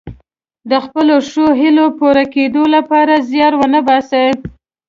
د خپلو ښو هیلو پوره کیدو لپاره زیار ونه باسي.